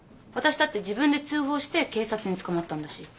私だって自分で通報して警察に捕まったんだし。